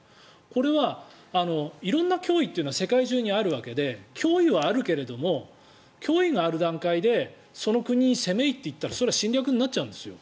これは色んな脅威というのは世界中にあるわけで脅威はあるけど脅威がある段階でその国に攻め入っていったらそれは侵略になっちゃうんです。